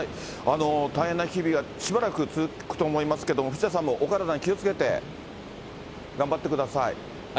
大変な日々がしばらく続くと思いますけれども、藤田さんもお体に気をつけて頑張ってください。